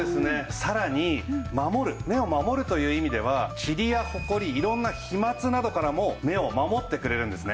さらに守る目を守るという意味ではチリやホコリ色んな飛沫などからも目を守ってくれるんですね。